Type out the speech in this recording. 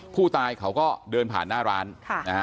ผู้ตายเขาก็เดินผ่านหน้าร้านค่ะนะฮะ